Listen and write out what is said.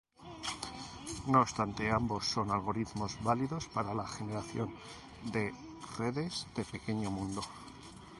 No obstante ambos son algoritmos válidos para la generación de redes de pequeño mundo.